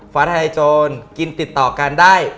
ฟ้าทลายโจรกินติดต่อกันได้